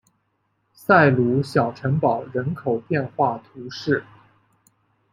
塞鲁小城堡人口变化图示